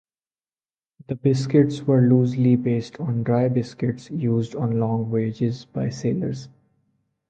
The biscuits were loosely based on dry biscuits used on long voyages by sailors.